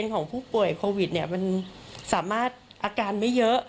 ของผู้ป่วยโควิดเนี่ยมันสามารถอาการไม่เยอะ